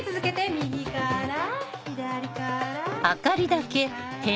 右から左から。